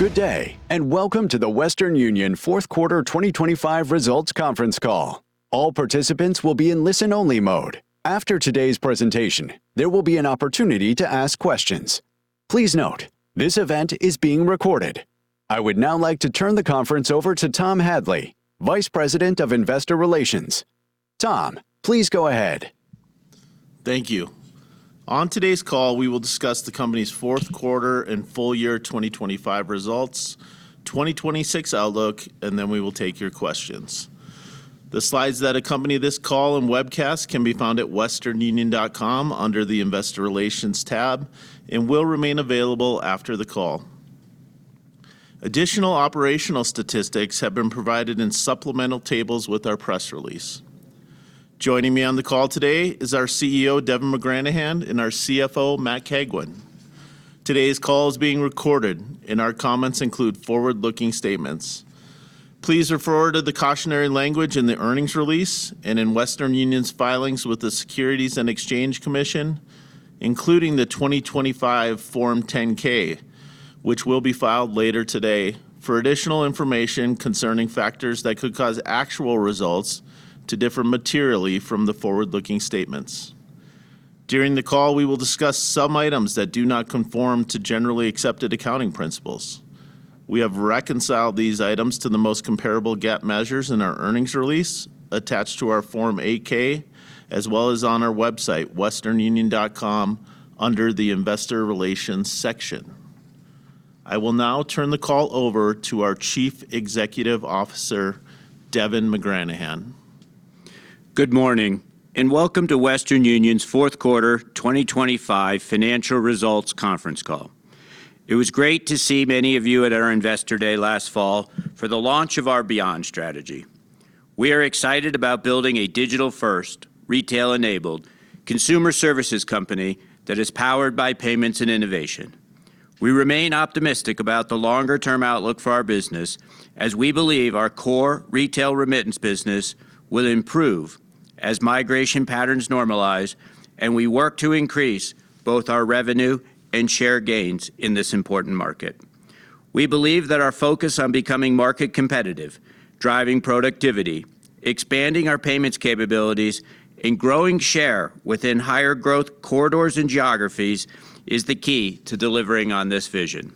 Good day, and welcome to the Western Union fourth quarter 2025 results conference call. All participants will be in listen-only mode. After today's presentation, there will be an opportunity to ask questions. Please note, this event is being recorded. I would now like to turn the conference over to Tom Hadley, Vice President of Investor Relations. Tom, please go ahead. Thank you. On today's call, we will discuss the company's fourth quarter and full year 2025 results, 2026 outlook, and then we will take your questions. The slides that accompany this call and webcast can be found at westernunion.com under the Investor Relations tab and will remain available after the call. Additional operational statistics have been provided in supplemental tables with our press release. Joining me on the call today is our CEO, Devin McGranahan, and our CFO, Matt Cagwin. Today's call is being recorded, and our comments include forward-looking statements. Please refer to the cautionary language in the earnings release and in Western Union's filings with the Securities and Exchange Commission, including the 2025 Form 10-K, which will be filed later today, for additional information concerning factors that could cause actual results to differ materially from the forward-looking statements. During the call, we will discuss some items that do not conform to generally accepted accounting principles. We have reconciled these items to the most comparable GAAP measures in our earnings release attached to our Form 8-K, as well as on our website, westernunion.com, under the Investor Relations section. I will now turn the call over to our Chief Executive Officer, Devin McGranahan. Good morning, and welcome to Western Union's fourth quarter 2025 financial results conference call. It was great to see many of you at our Investor Day last fall for the launch of our Beyond strategy. We are excited about building a digital-first, retail-enabled, Consumer Services company that is powered by payments and innovation. We remain optimistic about the longer-term outlook for our business, as we believe our core retail remittance business will improve as migration patterns normalize and we work to increase both our revenue and share gains in this important market. We believe that our focus on becoming market competitive, driving productivity, expanding our payments capabilities, and growing share within higher growth corridors and geographies is the key to delivering on this vision.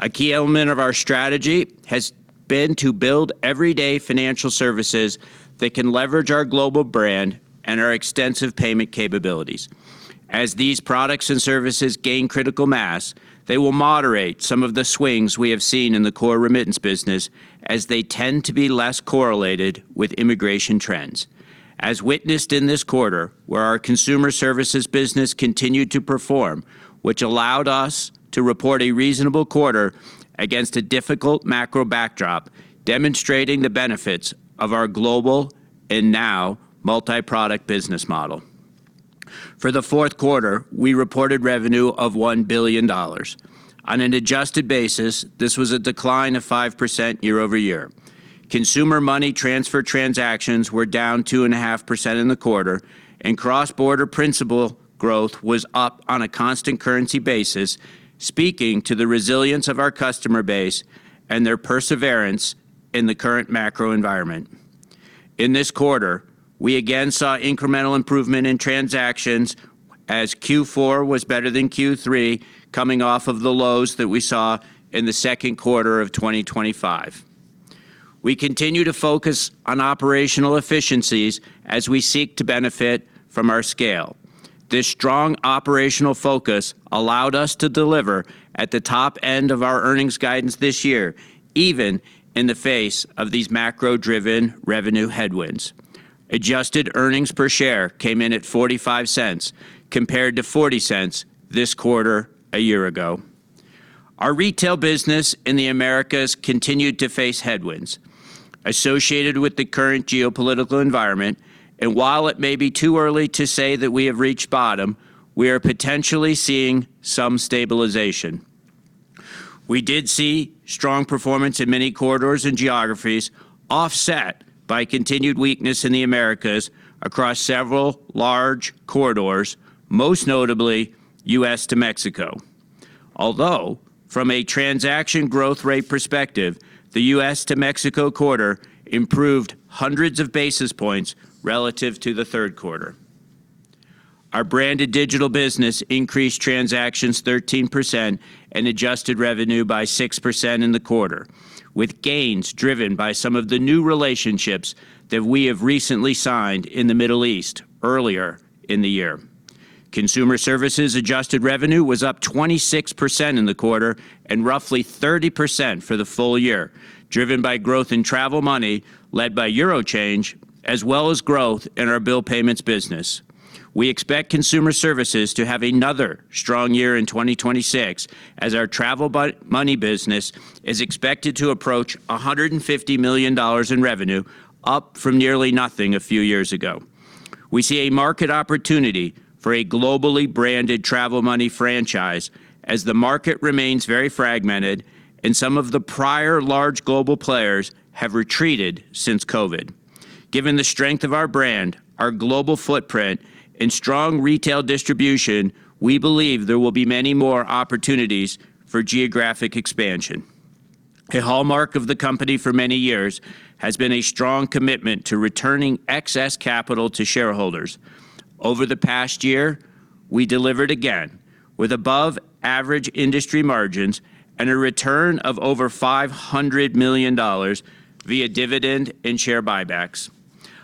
A key element of our strategy has been to build everyday financial services that can leverage our global brand and our extensive payment capabilities. As these products and services gain critical mass, they will moderate some of the swings we have seen in the core remittance business, as they tend to be less correlated with immigration trends. As witnessed in this quarter, where our Consumer Services business continued to perform, which allowed us to report a reasonable quarter against a difficult macro backdrop, demonstrating the benefits of our global and now multi-product business model. For the fourth quarter, we reported revenue of $1 billion. On an adjusted basis, this was a decline of 5% year-over-year. Consumer Money Transfer transactions were down 2.5% in the quarter, and cross-border principal growth was up on a constant currency basis, speaking to the resilience of our customer base and their perseverance in the current macro environment. In this quarter, we again saw incremental improvement in transactions as Q4 was better than Q3, coming off of the lows that we saw in the second quarter of 2025. We continue to focus on operational efficiencies as we seek to benefit from our scale. This strong operational focus allowed us to deliver at the top end of our earnings guidance this year, even in the face of these macro-driven revenue headwinds. Adjusted earnings per share came in at $0.45, compared to $0.40 this quarter a year ago. Our retail business in the Americas continued to face headwinds associated with the current geopolitical environment, and while it may be too early to say that we have reached bottom, we are potentially seeing some stabilization. We did see strong performance in many corridors and geographies, offset by continued weakness in the Americas across several large corridors, most notably U.S. to Mexico. Although, from a transaction growth rate perspective, the U.S. to Mexico corridor improved hundreds of basis points relative to the third quarter. Our Branded Digital Business increased transactions 13% and adjusted revenue by 6% in the quarter, with gains driven by some of the new relationships that we have recently signed in the Middle East earlier in the year. Consumer Services adjusted revenue was up 26% in the quarter and roughly 30% for the full year, driven by growth in travel money, led by eurochange, as well as growth in our bill payments business. We expect Consumer Services to have another strong year in 2026, as our travel money business is expected to approach $150 million in revenue, up from nearly nothing a few years ago. We see a market opportunity for a globally branded travel money franchise as the market remains very fragmented and some of the prior large global players have retreated since COVID. Given the strength of our brand, our global footprint, and strong retail distribution, we believe there will be many more opportunities for geographic expansion.... A hallmark of the company for many years has been a strong commitment to returning excess capital to shareholders. Over the past year, we delivered again with above-average industry margins and a return of over $500 million via dividend and share buybacks.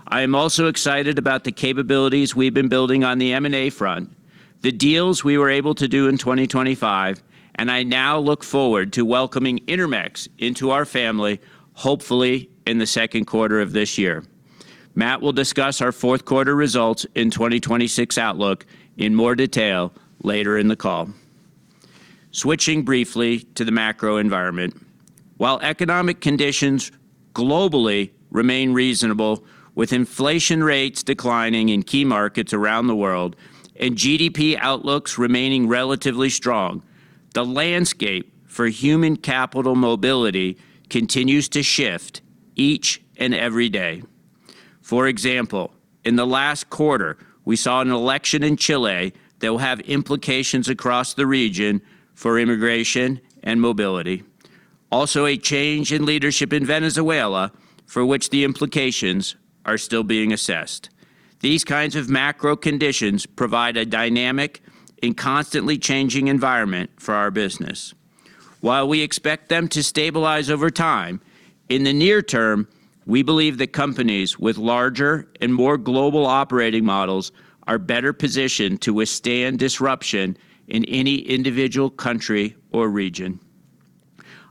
I am also excited about the capabilities we've been building on the M&A front, the deals we were able to do in 2025, and I now look forward to welcoming Intermex into our family, hopefully in the second quarter of this year. Matt will discuss our fourth quarter results in 2026 outlook in more detail later in the call. Switching briefly to the macro environment, while economic conditions globally remain reasonable, with inflation rates declining in key markets around the world and GDP outlooks remaining relatively strong, the landscape for human capital mobility continues to shift each and every day. For example, in the last quarter, we saw an election in Chile that will have implications across the region for immigration and mobility. Also, a change in leadership in Venezuela, for which the implications are still being assessed. These kinds of macro conditions provide a dynamic and constantly changing environment for our business. While we expect them to stabilize over time, in the near term, we believe that companies with larger and more global operating models are better positioned to withstand disruption in any individual country or region.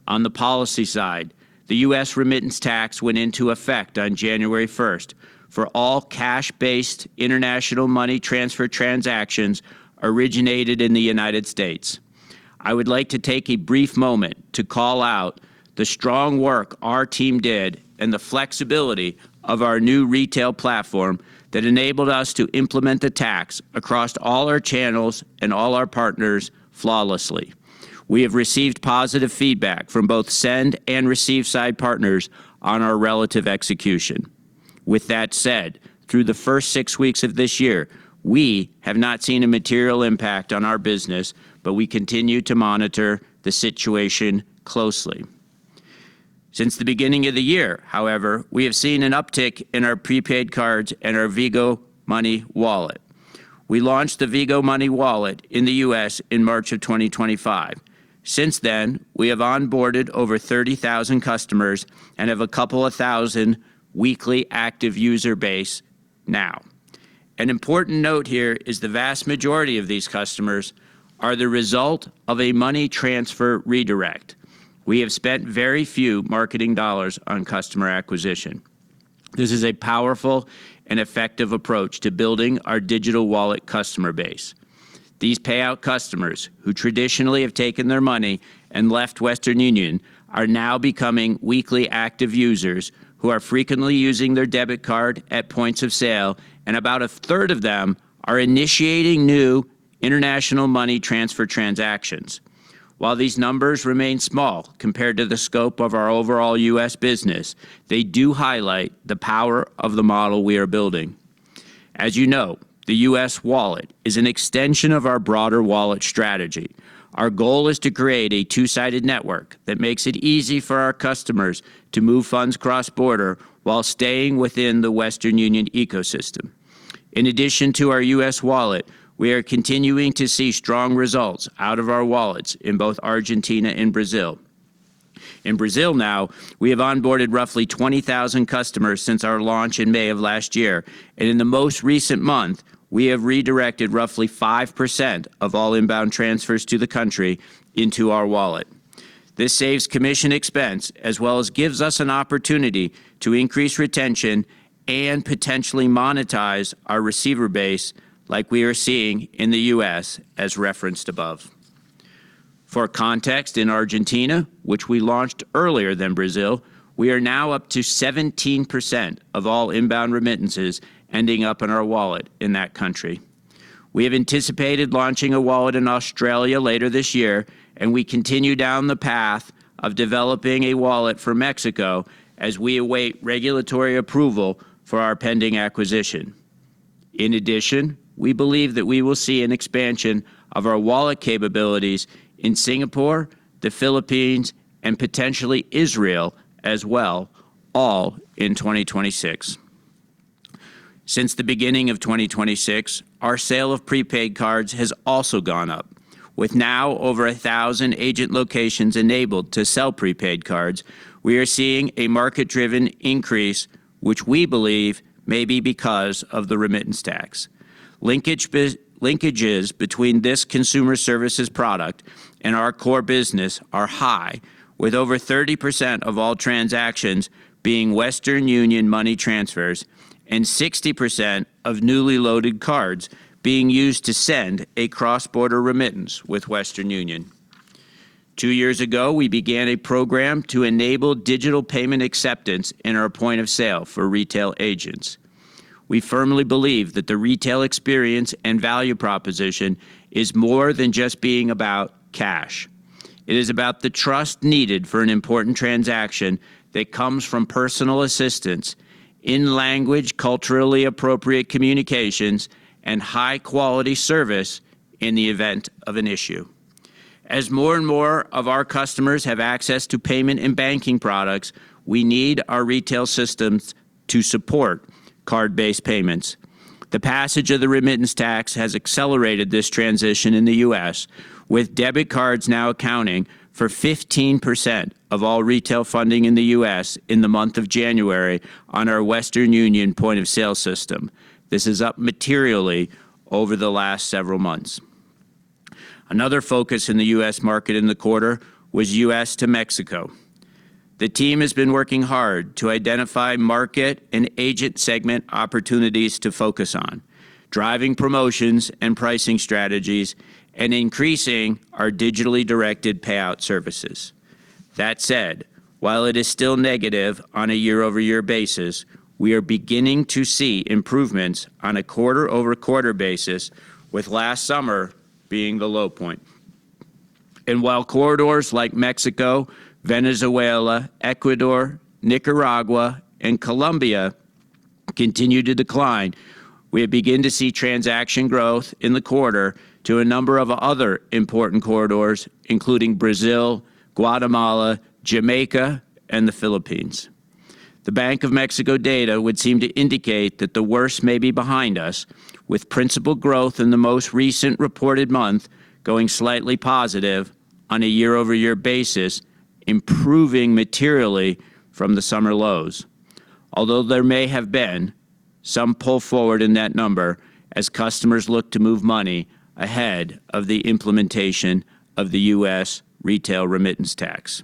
On the policy side, the U.S. remittance tax went into effect on January first for all cash-based international money transfer transactions originated in the United States. I would like to take a brief moment to call out the strong work our team did and the flexibility of our new retail platform that enabled us to implement the tax across all our channels and all our partners flawlessly. We have received positive feedback from both send and receive side partners on our relative execution. With that said, through the first six weeks of this year, we have not seen a material impact on our business, but we continue to monitor the situation closely. Since the beginning of the year, however, we have seen an uptick in our prepaid cards and our Vigo Money Wallet. We launched the Vigo Money Wallet in the U.S. in March 2025. Since then, we have onboarded over 30,000 customers and have a couple of thousand weekly active user base now. An important note here is the vast majority of these customers are the result of a money transfer redirect. We have spent very few marketing dollars on customer acquisition. This is a powerful and effective approach to building our digital wallet customer base. These payout customers, who traditionally have taken their money and left Western Union, are now becoming weekly active users who are frequently using their debit card at points of sale, and about a third of them are initiating new international money transfer transactions. While these numbers remain small compared to the scope of our overall U.S. business, they do highlight the power of the model we are building. As you know, the U.S. wallet is an extension of our broader wallet strategy. Our goal is to create a two-sided network that makes it easy for our customers to move funds cross-border while staying within the Western Union ecosystem. In addition to our U.S. wallet, we are continuing to see strong results out of our wallets in both Argentina and Brazil. In Brazil now, we have onboarded roughly 20,000 customers since our launch in May of last year, and in the most recent month, we have redirected roughly 5% of all inbound transfers to the country into our wallet. This saves commission expense, as well as gives us an opportunity to increase retention and potentially monetize our receiver base, like we are seeing in the U.S., as referenced above. For context, in Argentina, which we launched earlier than Brazil, we are now up to 17% of all inbound remittances ending up in our wallet in that country. We have anticipated launching a wallet in Australia later this year, and we continue down the path of developing a wallet for Mexico as we await regulatory approval for our pending acquisition. In addition, we believe that we will see an expansion of our wallet capabilities in Singapore, the Philippines, and potentially Israel as well, all in 2026. Since the beginning of 2026, our sale of prepaid cards has also gone up. With now over 1,000 agent locations enabled to sell prepaid cards, we are seeing a market-driven increase, which we believe may be because of the remittance tax. Linkages between this Consumer Services product and our core business are high, with over 30% of all transactions being Western Union money transfers and 60% of newly loaded cards being used to send a cross-border remittance with Western Union. Two years ago, we began a program to enable digital payment acceptance in our point of sale for retail agents. We firmly believe that the retail experience and value proposition is more than just being about cash. It is about the trust needed for an important transaction that comes from personal assistance in language, culturally appropriate communications, and high-quality service in the event of an issue. As more and more of our customers have access to payment and banking products, we need our retail systems to support card-based payments. The passage of the remittance tax has accelerated this transition in the U.S., with debit cards now accounting for 15% of all retail funding in the U.S. in the month of January on our Western Union point-of-sale system. This is up materially over the last several months. Another focus in the U.S. market in the quarter was U.S. to Mexico. The team has been working hard to identify market and agent segment opportunities to focus on, driving promotions and pricing strategies, and increasing our digitally directed payout services. That said, while it is still negative on a year-over-year basis, we are beginning to see improvements on a quarter-over-quarter basis, with last summer being the low point. And while corridors like Mexico, Venezuela, Ecuador, Nicaragua, and Colombia continue to decline, we have begun to see transaction growth in the quarter to a number of other important corridors, including Brazil, Guatemala, Jamaica, and the Philippines. The Bank of Mexico data would seem to indicate that the worst may be behind us, with principal growth in the most recent reported month going slightly positive on a year-over-year basis, improving materially from the summer lows. Although there may have been some pull forward in that number as customers look to move money ahead of the implementation of the U.S. retail remittance tax.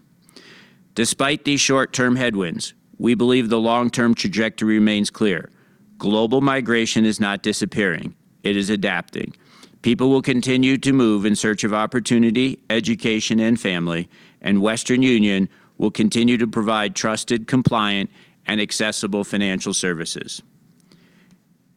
Despite these short-term headwinds, we believe the long-term trajectory remains clear. Global migration is not disappearing, it is adapting. People will continue to move in search of opportunity, education, and family, and Western Union will continue to provide trusted, compliant, and accessible financial services.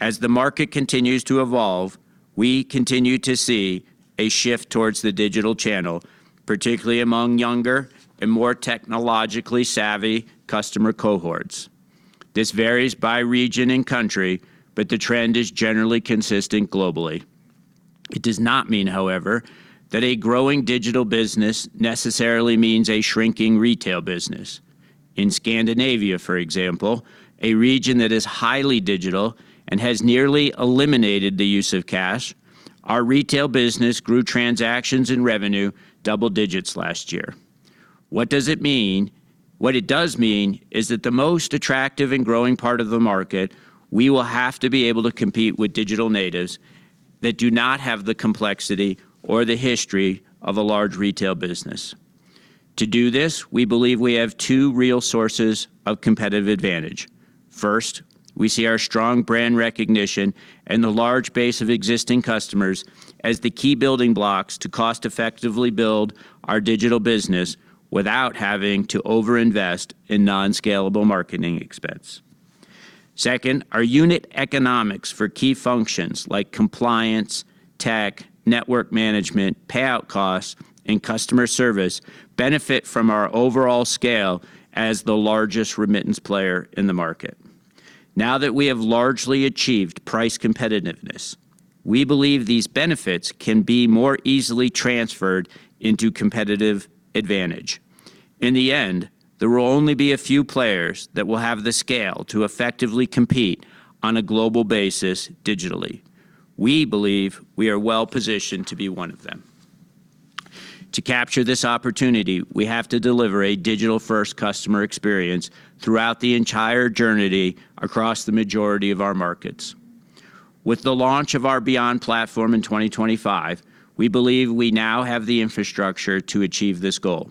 As the market continues to evolve, we continue to see a shift towards the digital channel, particularly among younger and more technologically savvy customer cohorts. This varies by region and country, but the trend is generally consistent globally. It does not mean, however, that a growing digital business necessarily means a shrinking retail business. In Scandinavia, for example, a region that is highly digital and has nearly eliminated the use of cash, our retail business grew transactions and revenue double digits last year. What does it mean? What it does mean is that the most attractive and growing part of the market, we will have to be able to compete with digital natives that do not have the complexity or the history of a large retail business. To do this, we believe we have two real sources of competitive advantage. First, we see our strong brand recognition and the large base of existing customers as the key building blocks to cost effectively build our digital business without having to overinvest in non-scalable marketing expense. Second, our unit economics for key functions like compliance, tech, network management, payout costs, and customer service benefit from our overall scale as the largest remittance player in the market. Now that we have largely achieved price competitiveness, we believe these benefits can be more easily transferred into competitive advantage. In the end, there will only be a few players that will have the scale to effectively compete on a global basis digitally. We believe we are well positioned to be one of them. To capture this opportunity, we have to deliver a digital-first customer experience throughout the entire journey across the majority of our markets. With the launch of our Beyond platform in 2025, we believe we now have the infrastructure to achieve this goal.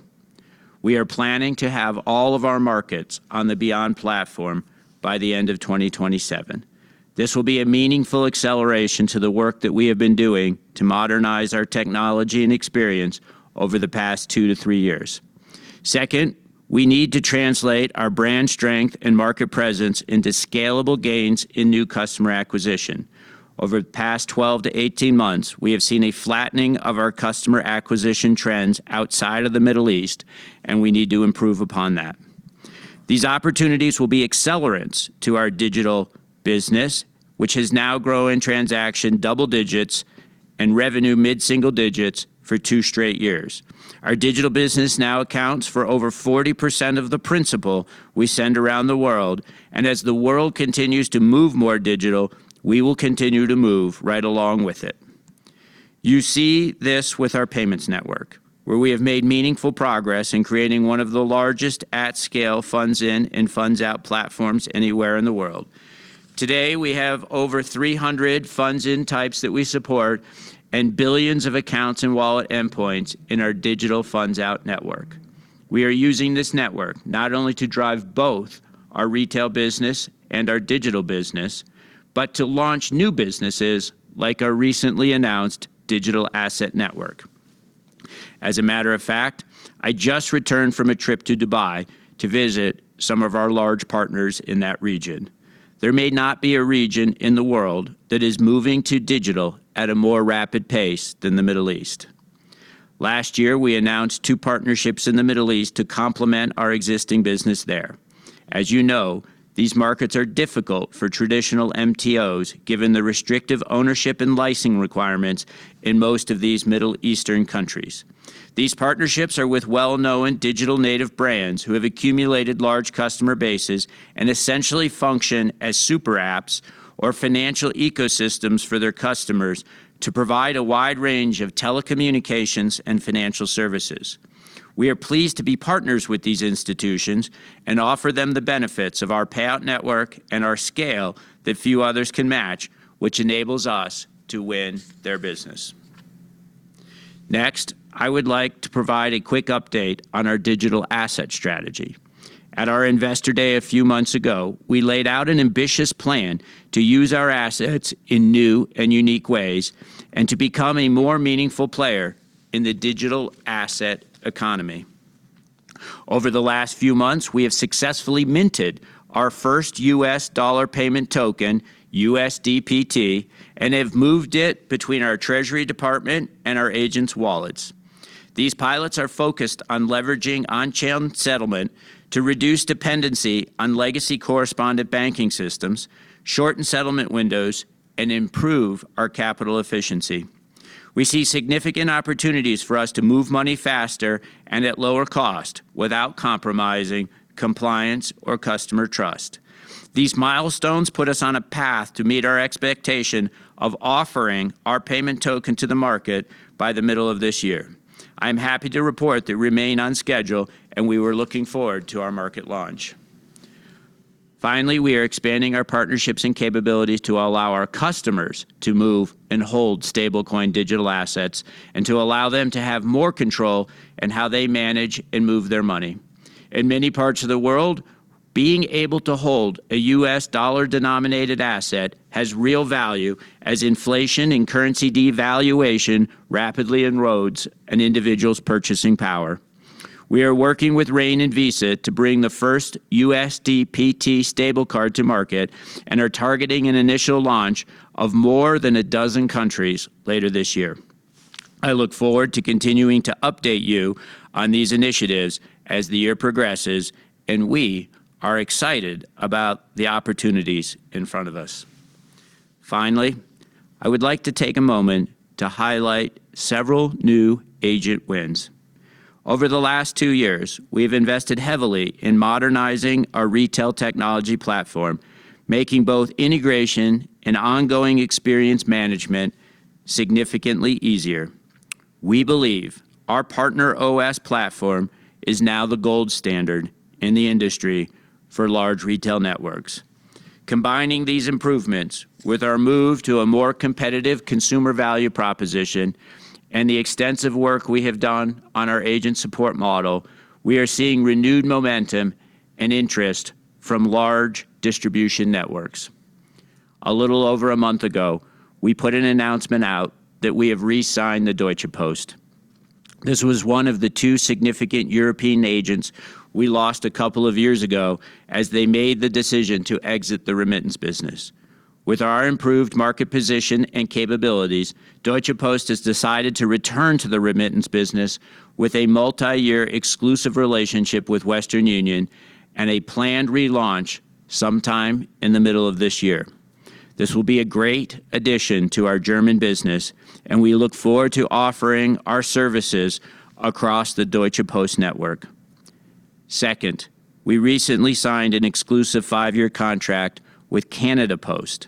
We are planning to have all of our markets on the Beyond platform by the end of 2027. This will be a meaningful acceleration to the work that we have been doing to modernize our technology and experience over the past 2-3 years. Second, we need to translate our brand strength and market presence into scalable gains in new customer acquisition. Over the past 12-18 months, we have seen a flattening of our customer acquisition trends outside of the Middle East, and we need to improve upon that. These opportunities will be accelerants to our digital business, which has now grown in transaction double digits and revenue mid-single digits for two straight years. Our digital business now accounts for over 40% of the principal we send around the world, and as the world continues to move more digital, we will continue to move right along with it. You see this with our payments network, where we have made meaningful progress in creating one of the largest at-scale funds in and funds out platforms anywhere in the world. Today, we have over 300 funds in types that we support and billions of accounts and wallet endpoints in our digital funds out network. We are using this network not only to drive both our retail business and our digital business, but to launch new businesses like our recently announced digital asset network. As a matter of fact, I just returned from a trip to Dubai to visit some of our large partners in that region. There may not be a region in the world that is moving to digital at a more rapid pace than the Middle East. Last year, we announced two partnerships in the Middle East to complement our existing business there. As you know, these markets are difficult for traditional MTOs, given the restrictive ownership and licensing requirements in most of these Middle Eastern countries. These partnerships are with well-known digital native brands who have accumulated large customer bases and essentially function as super apps or financial ecosystems for their customers to provide a wide range of telecommunications and financial services. We are pleased to be partners with these institutions and offer them the benefits of our payout network and our scale that few others can match, which enables us to win their business. Next, I would like to provide a quick update on our digital asset strategy. At our Investor Day a few months ago, we laid out an ambitious plan to use our assets in new and unique ways and to become a more meaningful player in the digital asset economy. Over the last few months, we have successfully minted our first U.S. dollar payment token, USDPT, and have moved it between our Treasury Department and our agents' wallets. These pilots are focused on leveraging on-chain settlement to reduce dependency on legacy correspondent banking systems, shorten settlement windows, and improve our capital efficiency. We see significant opportunities for us to move money faster and at lower cost, without compromising compliance or customer trust. These milestones put us on a path to meet our expectation of offering our payment token to the market by the middle of this year. I'm happy to report that we remain on schedule, and we were looking forward to our market launch. Finally, we are expanding our partnerships and capabilities to allow our customers to move and hold stablecoin digital assets and to allow them to have more control in how they manage and move their money. In many parts of the world, being able to hold a U.S. dollar-denominated asset has real value as inflation and currency devaluation rapidly erodes an individual's purchasing power. We are working with Rain and Visa to bring the first USDPT stablecoin card to market and are targeting an initial launch of more than a dozen countries later this year. I look forward to continuing to update you on these initiatives as the year progresses, and we are excited about the opportunities in front of us. Finally, I would like to take a moment to highlight several new agent wins. Over the last two years, we've invested heavily in modernizing our retail technology platform, making both integration and ongoing experience management significantly easier. We believe our Partner OS platform is now the gold standard in the industry for large retail networks. Combining these improvements with our move to a more competitive consumer value proposition and the extensive work we have done on our agent support model, we are seeing renewed momentum and interest from large distribution networks. A little over a month ago, we put an announcement out that we have re-signed the Deutsche Post. This was one of the two significant European agents we lost a couple of years ago as they made the decision to exit the remittance business. With our improved market position and capabilities, Deutsche Post has decided to return to the remittance business with a multiyear exclusive relationship with Western Union and a planned relaunch sometime in the middle of this year. This will be a great addition to our German business, and we look forward to offering our services across the Deutsche Post network. Second, we recently signed an exclusive five-year contract with Canada Post.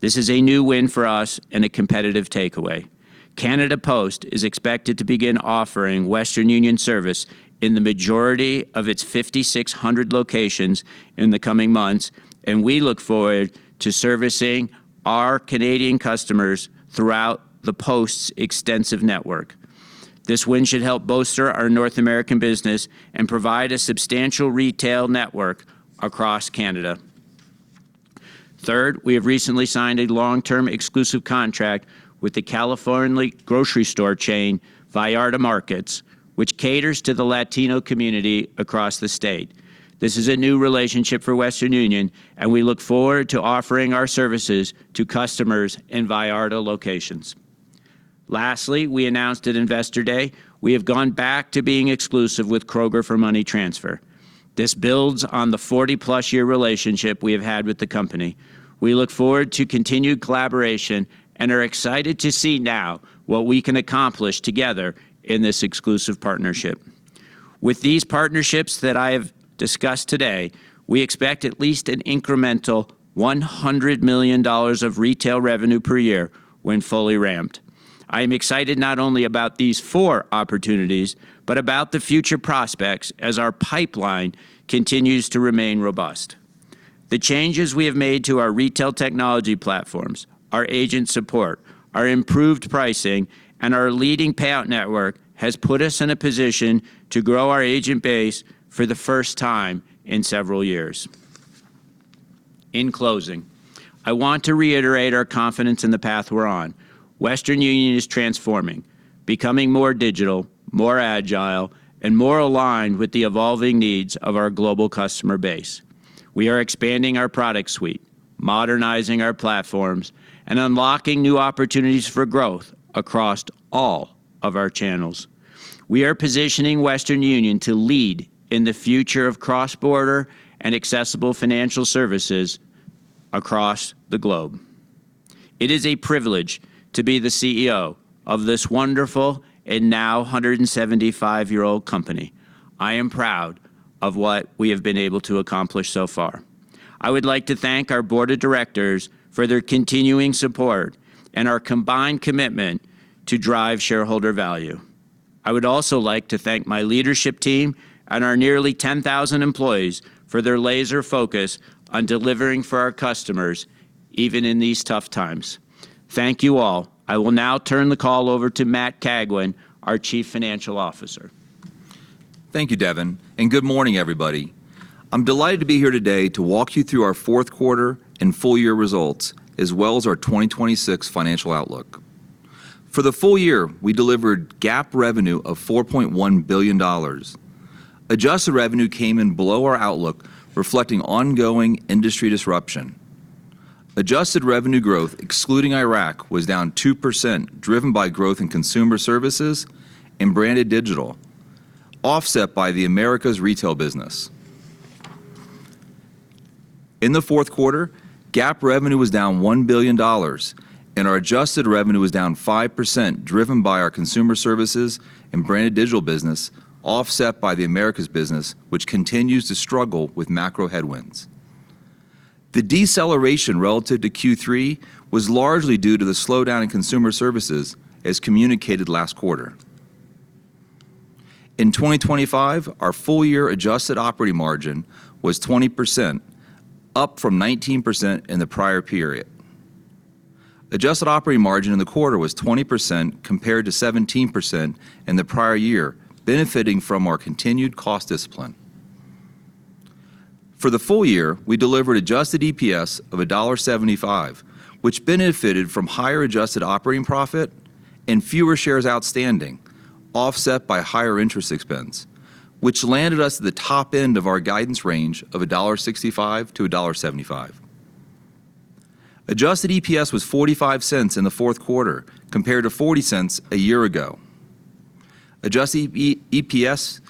This is a new win for us and a competitive takeaway. Canada Post is expected to begin offering Western Union service in the majority of its 5,600 locations in the coming months, and we look forward to servicing our Canadian customers throughout the Post's extensive network. This win should help bolster our North American business and provide a substantial retail network across Canada. Third, we have recently signed a long-term exclusive contract with the California grocery store chain, Vallarta Markets, which caters to the Latino community across the state. This is a new relationship for Western Union, and we look forward to offering our services to customers in Vallarta locations. Lastly, we announced at Investor Day, we have gone back to being exclusive with Kroger for money transfer. This builds on the 40+ year relationship we have had with the company. We look forward to continued collaboration and are excited to see now what we can accomplish together in this exclusive partnership. With these partnerships that I have discussed today, we expect at least an incremental $100 million of retail revenue per year when fully ramped. I am excited not only about these four opportunities, but about the future prospects as our pipeline continues to remain robust. The changes we have made to our retail technology platforms, our agent support, our improved pricing, and our leading payout network has put us in a position to grow our agent base for the first time in several years. In closing, I want to reiterate our confidence in the path we're on. Western Union is transforming, becoming more digital, more agile, and more aligned with the evolving needs of our global customer base.... We are expanding our product suite, modernizing our platforms, and unlocking new opportunities for growth across all of our channels. We are positioning Western Union to lead in the future of cross-border and accessible financial services across the globe. It is a privilege to be the CEO of this wonderful and now 175-year-old company. I am proud of what we have been able to accomplish so far. I would like to thank our board of directors for their continuing support and our combined commitment to drive shareholder value. I would also like to thank my leadership team and our nearly 10,000 employees for their laser focus on delivering for our customers, even in these tough times. Thank you all. I will now turn the call over to Matt Cagwin, our Chief Financial Officer. Thank you, Devin, and good morning, everybody. I'm delighted to be here today to walk you through our fourth quarter and full year results, as well as our 2026 financial outlook. For the full year, we delivered GAAP revenue of $4.1 billion. Adjusted revenue came in below our outlook, reflecting ongoing industry disruption. Adjusted revenue growth, excluding Iraq, was down 2%, driven by growth in Consumer Services and Branded Digital, offset by the Americas retail business. In the fourth quarter, GAAP revenue was down $1 billion, and our adjusted revenue was down 5%, driven by our Consumer Services and Branded Digital business, offset by the Americas business, which continues to struggle with macro headwinds. The deceleration relative to Q3 was largely due to the slowdown in Consumer Services, as communicated last quarter. In 2025, our full-year adjusted operating margin was 20%, up from 19% in the prior period. Adjusted operating margin in the quarter was 20%, compared to 17% in the prior year, benefiting from our continued cost discipline. For the full year, we delivered adjusted EPS of $1.75, which benefited from higher adjusted operating profit and fewer shares outstanding, offset by higher interest expense, which landed us at the top end of our guidance range of $1.65-$1.75. Adjusted EPS was $0.45 in the fourth quarter, compared to $0.40 a year ago. Adjusted EPS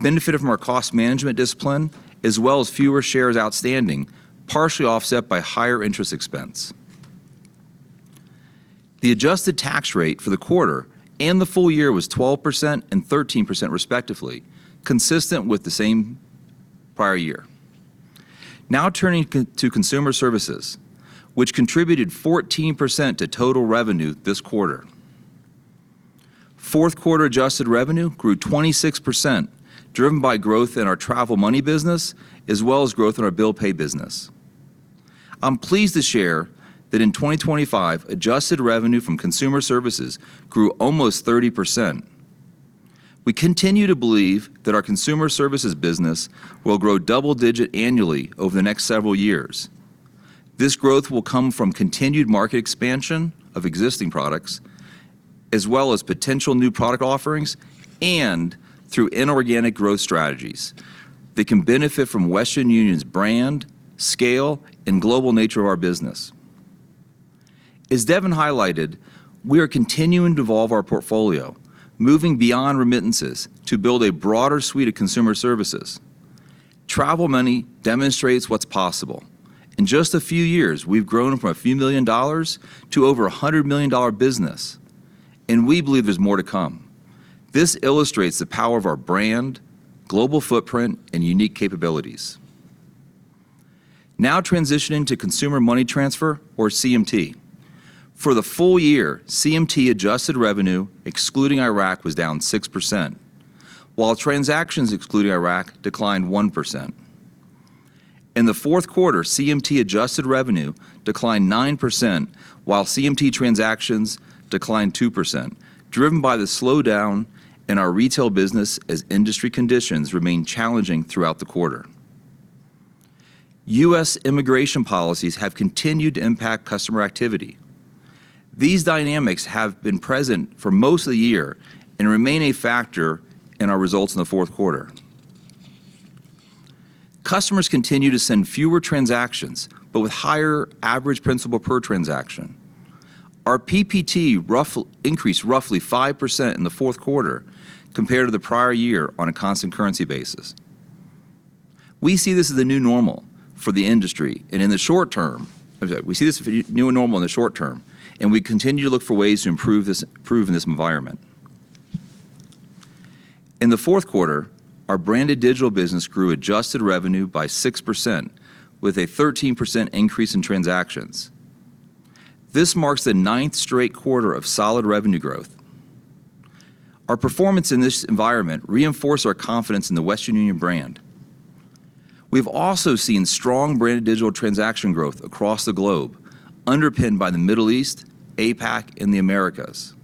benefited from our cost management discipline, as well as fewer shares outstanding, partially offset by higher interest expense. The adjusted tax rate for the quarter and the full year was 12% and 13% respectively, consistent with the same prior year. Now turning to Consumer Services, which contributed 14% to total revenue this quarter. Fourth quarter adjusted revenue grew 26%, driven by growth in our travel money business, as well as growth in our Bill Pay business. I'm pleased to share that in 2025, adjusted revenue from Consumer Services grew almost 30%. We continue to believe that our Consumer Services business will grow double-digit annually over the next several years. This growth will come from continued market expansion of existing products, as well as potential new product offerings, and through inorganic growth strategies that can benefit from Western Union's brand, scale, and global nature of our business. As Devin highlighted, we are continuing to evolve our portfolio, moving beyond remittances to build a broader suite of Consumer Services. travel money demonstrates what's possible. In just a few years, we've grown from a few million to over $100 million dollar business, and we believe there's more to come. This illustrates the power of our brand, global footprint, and unique capabilities. Now transitioning to Consumer Money Transfer, or CMT. For the full year, CMT adjusted revenue, excluding Iraq, was down 6%, while transactions excluding Iraq declined 1%. In the fourth quarter, CMT adjusted revenue declined 9%, while CMT transactions declined 2%, driven by the slowdown in our retail business as industry conditions remained challenging throughout the quarter. U.S. immigration policies have continued to impact customer activity. These dynamics have been present for most of the year and remain a factor in our results in the fourth quarter. Customers continue to send fewer transactions, but with higher average principal per transaction. Our PPT roughly increased roughly 5% in the fourth quarter compared to the prior year on a constant currency basis. We see this as the new normal for the industry in the short term, and we continue to look for ways to improve this, improve in this environment. In the fourth quarter, our Branded Digital Business grew adjusted revenue by 6%, with a 13% increase in transactions. This marks the ninth straight quarter of solid revenue growth. Our performance in this environment reinforce our confidence in the Western Union brand. We've also seen strong Branded Digital transaction growth across the globe, underpinned by the Middle East, APAC, and the Americas.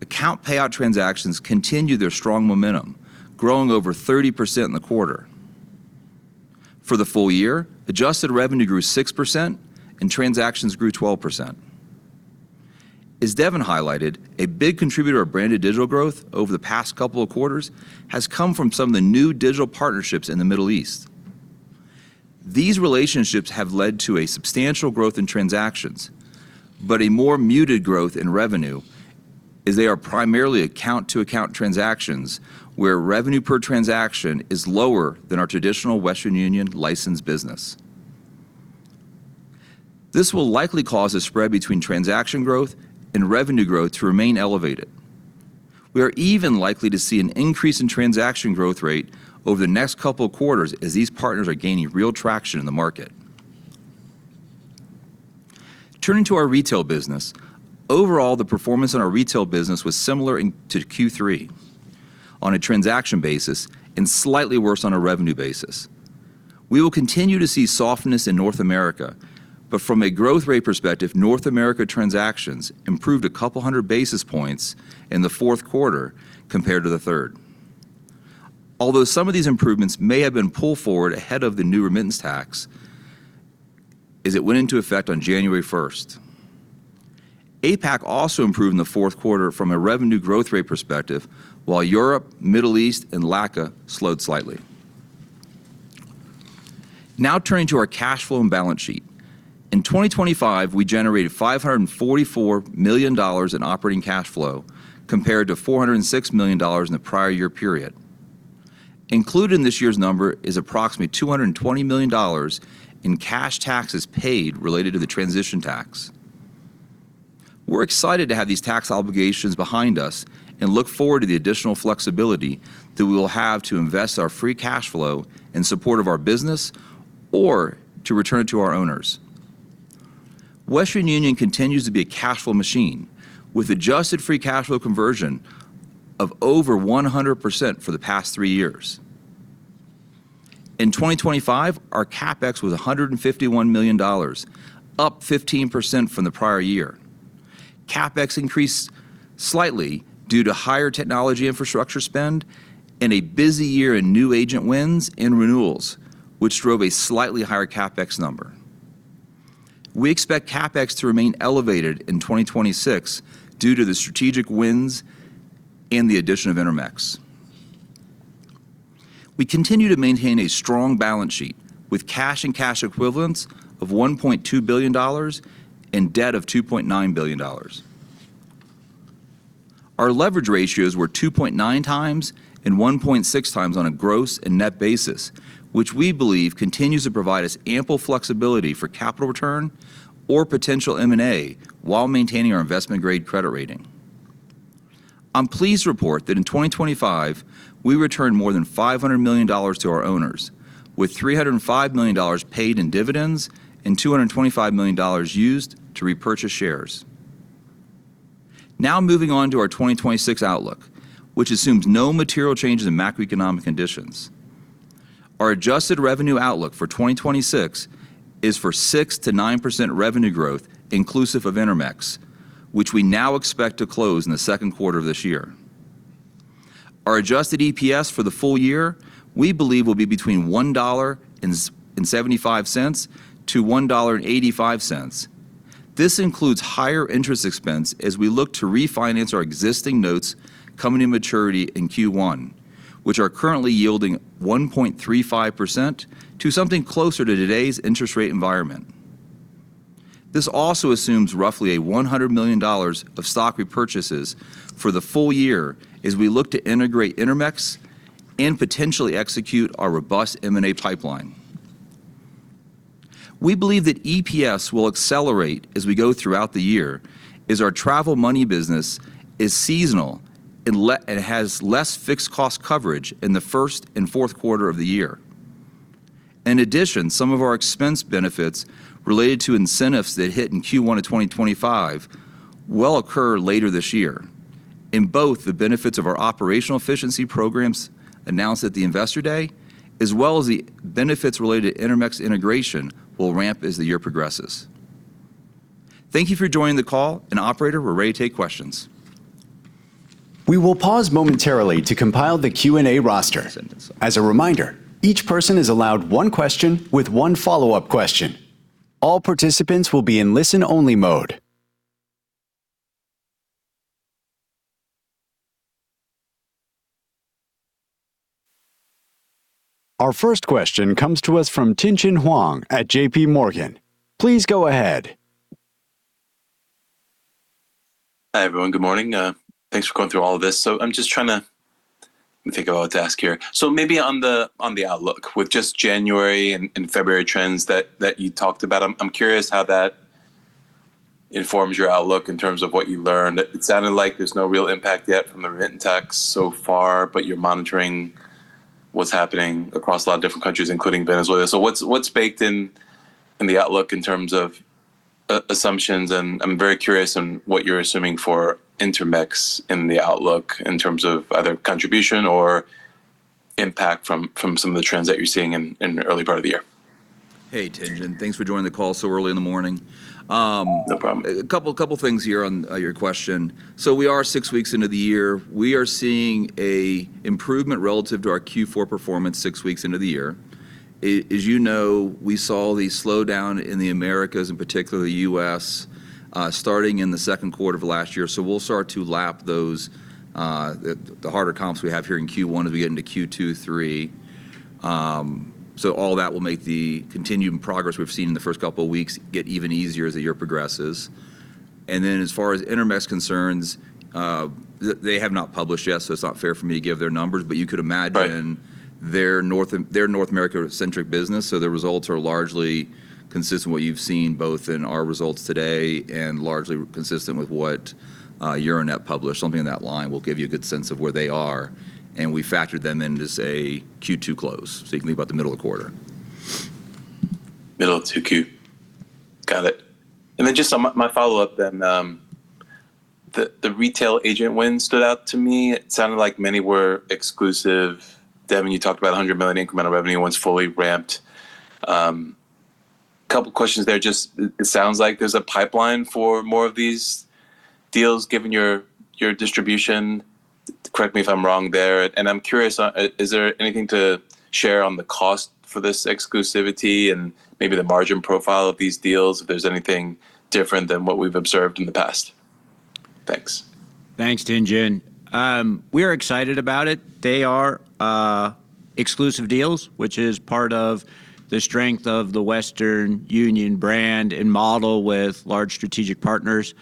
Account payout transactions continue their strong momentum, growing over 30% in the quarter. For the full year, adjusted revenue grew 6% and transactions grew 12%. As Devin highlighted, a big contributor of Branded Digital growth over the past couple of quarters has come from some of the new digital partnerships in the Middle East. These relationships have led to a substantial growth in transactions, but a more muted growth in revenue as they are primarily account-to-account transactions, where revenue per transaction is lower than our traditional Western Union licensed business. This will likely cause a spread between transaction growth and revenue growth to remain elevated. We are even likely to see an increase in transaction growth rate over the next couple of quarters as these partners are gaining real traction in the market. Turning to our retail business. Overall, the performance in our retail business was similar to Q3 on a transaction basis and slightly worse on a revenue basis. We will continue to see softness in North America, but from a growth rate perspective, North America transactions improved 200 basis points in the fourth quarter compared to the third. Although some of these improvements may have been pulled forward ahead of the new remittance tax, as it went into effect on January 1st. APAC also improved in the fourth quarter from a revenue growth rate perspective, while Europe, Middle East, and LACA slowed slightly. Now turning to our cash flow and balance sheet. In 2025, we generated $544 million in operating cash flow, compared to $406 million in the prior year period. Included in this year's number is approximately $220 million in cash taxes paid related to the transition tax. We're excited to have these tax obligations behind us and look forward to the additional flexibility that we will have to invest our free cash flow in support of our business or to return it to our owners. Western Union continues to be a cash flow machine, with adjusted free cash flow conversion of over 100% for the past three years. In 2025, our CapEx was $151 million, up 15% from the prior year. CapEx increased slightly due to higher technology infrastructure spend and a busy year in new agent wins and renewals, which drove a slightly higher CapEx number. We expect CapEx to remain elevated in 2026 due to the strategic wins and the addition of Intermex. We continue to maintain a strong balance sheet, with cash and cash equivalents of $1.2 billion and debt of $2.9 billion. Our leverage ratios were 2.9 times and 1.6 times on a gross and net basis, which we believe continues to provide us ample flexibility for capital return or potential M&A, while maintaining our investment-grade credit rating. I'm pleased to report that in 2025, we returned more than $500 million to our owners, with $305 million paid in dividends and $225 million used to repurchase shares. Now moving on to our 2026 outlook, which assumes no material changes in macroeconomic conditions. Our adjusted revenue outlook for 2026 is for 6%-9% revenue growth, inclusive of Intermex, which we now expect to close in the second quarter of this year. Our adjusted EPS for the full year, we believe, will be between $1.75-$1.85. This includes higher interest expense as we look to refinance our existing notes coming to maturity in Q1, which are currently yielding 1.35% to something closer to today's interest rate environment. This also assumes roughly $100 million of stock repurchases for the full year as we look to integrate Intermex and potentially execute our robust M&A pipeline. We believe that EPS will accelerate as we go throughout the year, as our travel money business is seasonal and has less fixed cost coverage in the first and fourth quarter of the year. In addition, some of our expense benefits related to incentives that hit in Q1 of 2025 will occur later this year. In both, the benefits of our operational efficiency programs announced at the Investor Day, as well as the benefits related to Intermex integration, will ramp as the year progresses. Thank you for joining the call, and operator, we're ready to take questions. We will pause momentarily to compile the Q&A roster. As a reminder, each person is allowed one question with one follow-up question. All participants will be in listen-only mode. Our first question comes to us from Tien-tsin Huang at JPMorgan. Please go ahead. Hi, everyone. Good morning. Thanks for going through all of this. So I'm just trying to think about what to ask here. So maybe on the outlook, with just January and February trends that you talked about, I'm curious how that informs your outlook in terms of what you learned. It sounded like there's no real impact yet from the remittance tax so far, but you're monitoring what's happening across a lot of different countries, including Venezuela. So what's baked in the outlook in terms of assumptions? And I'm very curious on what you're assuming for Intermex in the outlook in terms of either contribution or impact from some of the trends that you're seeing in the early part of the year. Hey, Tien-tsin. Thanks for joining the call so early in the morning. No problem. A couple things here on your question. So we are six weeks into the year. We are seeing an improvement relative to our Q4 performance six weeks into the year. As you know, we saw the slowdown in the Americas, in particular the U.S., starting in the second quarter of last year. So we'll start to lap those, the harder comps we have here in Q1 as we get into Q2, Q3. So all that will make the continued progress we've seen in the first couple of weeks get even easier as the year progresses. And then, as far as Intermex concerns, they have not published yet, so it's not fair for me to give their numbers. But you could imagine their North America-centric business, so their results are largely consistent with what you've seen, both in our results today and largely consistent with what Euronet published. Something in that line will give you a good sense of where they are, and we factored them in as a Q2 close, so you can think about the middle of the quarter. Middle of Q2. Got it. And then just my follow-up then, the retail agent win stood out to me. It sounded like many were exclusive. Devin, you talked about $100 million incremental revenue once fully ramped. Couple questions there, just it sounds like there's a pipeline for more of these deals, given your distribution. Correct me if I'm wrong there, and I'm curious, is there anything to share on the cost for this exclusivity and maybe the margin profile of these deals, if there's anything different than what we've observed in the past? Thanks. Thanks, Tien-tsin. We are excited about it. They are exclusive deals, which is part of the strength of the Western Union brand and model with large strategic partners.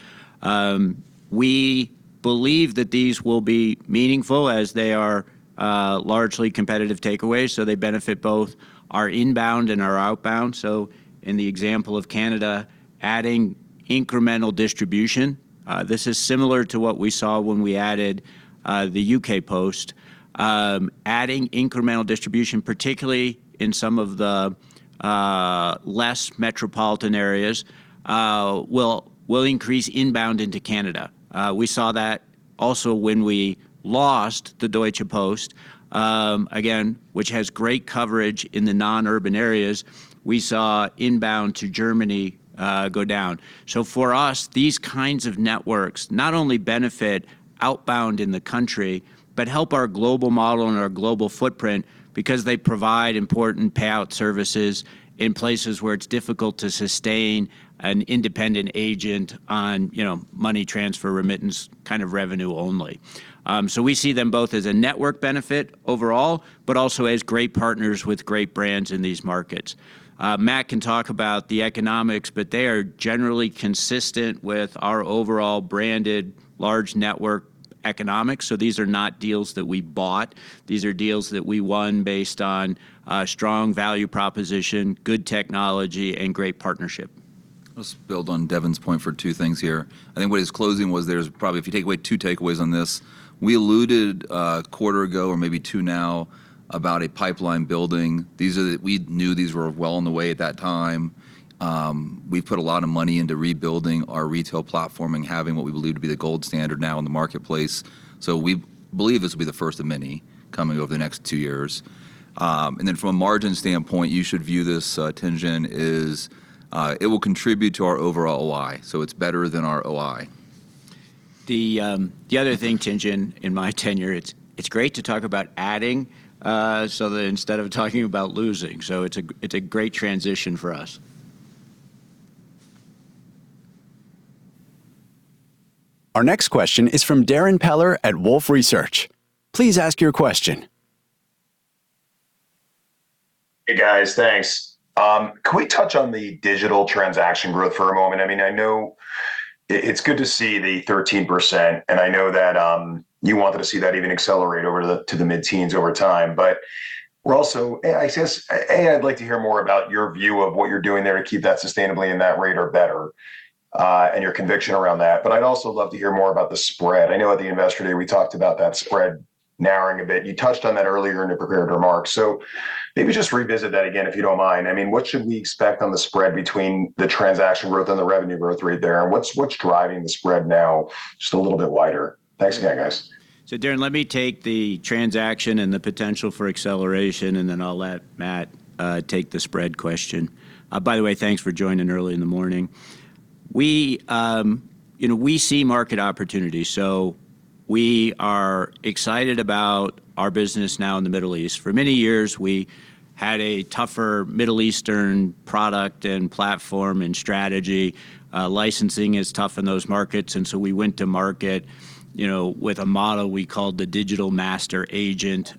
We believe that these will be meaningful, as they are largely competitive takeaways, so they benefit both our inbound and our outbound. So in the example of Canada, adding incremental distribution, this is similar to what we saw when we added the U.K. Post. Adding incremental distribution, particularly in some of the less metropolitan areas, will increase inbound into Canada. We saw that also when we lost the Deutsche Post, again, which has great coverage in the non-urban areas, we saw inbound to Germany go down. So for us, these kinds of networks not only benefit outbound in the country, but help our global model and our global footprint because they provide important payout services in places where it's difficult to sustain an independent agent on, you know, money transfer, remittance kind of revenue only. So we see them both as a network benefit overall, but also as great partners with great brands in these markets. Matt can talk about the economics, but they are generally consistent with our overall branded large network economics, so these are not deals that we bought. These are deals that we won based on a strong value proposition, good technology, and great partnership. Let's build on Devin's point for two things here. I think what his closing was there is probably if you take away two takeaways on this, we alluded, a quarter ago or maybe two now, about a pipeline building. We knew these were well on the way at that time. We've put a lot of money into rebuilding our retail platform and having what we believe to be the gold standard now in the marketplace, so we believe this will be the first of many coming over the next two years. And then from a margin standpoint, you should view this, Tien-tsin, as it will contribute to our overall OI, so it's better than our OI. The other thing, Tien-tsin, in my tenure, it's great to talk about adding, so that instead of talking about losing, so it's a great transition for us. Our next question is from Darrin Peller at Wolfe Research. Please ask your question. Hey, guys. Thanks. Can we touch on the digital transaction growth for a moment? I mean, I know it's good to see the 13%, and I know that you wanted to see that even accelerate over the to the mid-teens over time. But we're also. I'd like to hear more about your view of what you're doing there to keep that sustainably in that rate or better, and your conviction around that. But I'd also love to hear more about the spread. I know at the Investor Day, we talked about that spread narrowing a bit. You touched on that earlier in the prepared remarks, so maybe just revisit that again, if you don't mind. I mean, what should we expect on the spread between the transaction growth and the revenue growth rate there, and what's driving the spread now just a little bit wider? Thanks again, guys. So Darrin, let me take the transaction and the potential for acceleration, and then I'll let Matt take the spread question. By the way, thanks for joining early in the morning. We, you know, we see market opportunity, so we are excited about our business now in the Middle East. For many years, we had a tougher Middle Eastern product and platform and strategy. Licensing is tough in those markets, and so we went to market, you know, with a model we called the Digital Master Agent,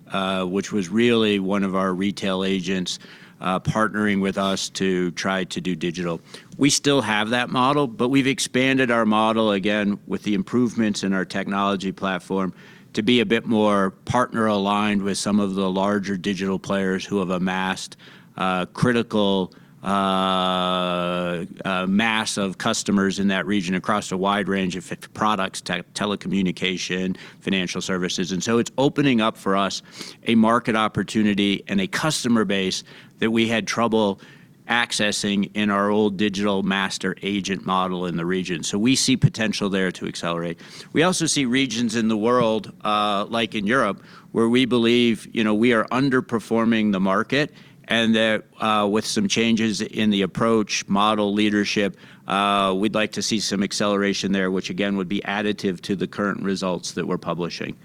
which was really one of our retail agents partnering with us to try to do digital. We still have that model, but we've expanded our model again with the improvements in our technology platform to be a bit more partner-aligned with some of the larger digital players who have amassed a critical mass of customers in that region across a wide range of products, telecommunication, financial services. And so it's opening up for us a market opportunity and a customer base that we had trouble accessing in our old Digital Master Agent model in the region, so we see potential there to accelerate. We also see regions in the world, like in Europe, where we believe, you know, we are underperforming the market, and that, with some changes in the approach, model, leadership, we'd like to see some acceleration there, which again, would be additive to the current results that we're publishing.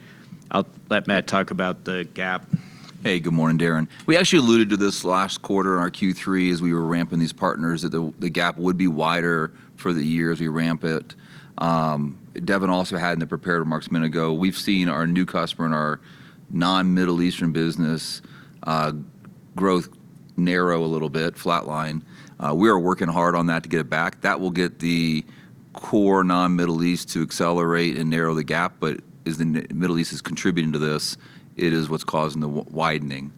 I'll let Matt talk about the gap. Hey, good morning, Darrin. We actually alluded to this last quarter, in our Q3, as we were ramping these partners, that the gap would be wider for the year as we ramp it. Devin also had in the prepared remarks a minute ago, we've seen our new customer and our non-Middle Eastern business growth narrow a little bit, flatline. We are working hard on that to get it back. That will get the core non-Middle East to accelerate and narrow the gap, but as the Middle East is contributing to this, it is what's causing the widening.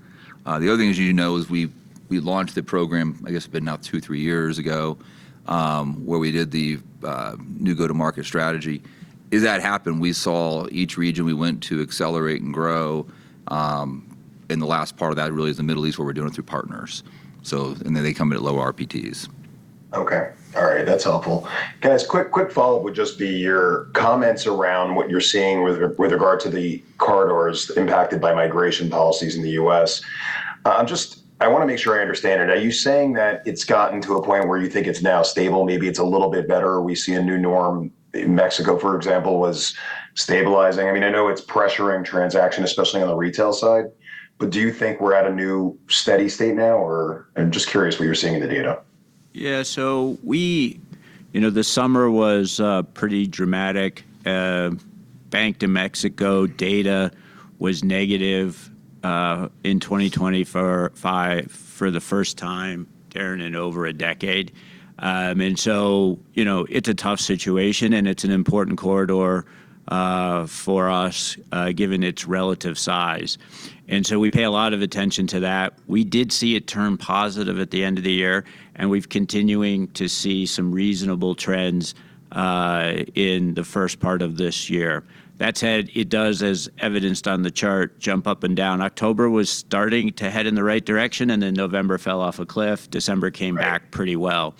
The other thing, as you know, is we launched the program, I guess, been now 2, 3 years ago, where we did the new go-to-market strategy. As that happened, we saw each region we went to accelerate and grow in the last part of that. Really is the Middle East, where we're doing it through partners. So and then they come in at lower RPTs. Okay. All right. That's helpful. Guys, quick, quick follow-up would just be your comments around what you're seeing with regard to the corridors impacted by migration policies in the U.S. I'm just, I wanna make sure I understand it. Are you saying that it's gotten to a point where you think it's now stable, maybe it's a little bit better, we see a new norm? Mexico, for example, was stabilizing. I mean, I know it's pressuring transaction, especially on the retail side, but do you think we're at a new steady state now, or, I'm just curious what you're seeing in the data. Yeah, so we, you know, the summer was pretty dramatic. Bank of Mexico data was negative in 2024 for the first time, Darrin, in over a decade. And so, you know, it's a tough situation, and it's an important corridor for us given its relative size, and so we pay a lot of attention to that. We did see it turn positive at the end of the year, and we've continuing to see some reasonable trends in the first part of this year. That said, it does, as evidenced on the chart, jump up and down. October was starting to head in the right direction, and then November fell off a cliff. December came back pretty well.